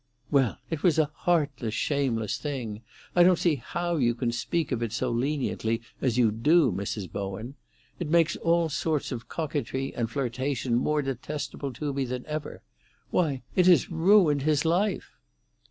"Well, it was a heartless, shameless thing! I don't see how you can speak of it so leniently as you do, Mrs. Bowen. It makes all sorts of coquetry and flirtation more detestable to me than ever. Why, it has ruined his life!"